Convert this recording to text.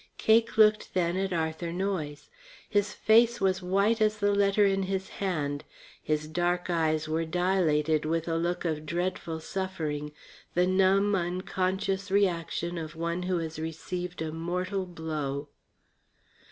Cake looked then at Arthur Noyes. His face was white as the letter in his hand, his dark eyes were dilated with a look of dreadful suffering, the numb, unconscious reaction of one who has received a mortal blow.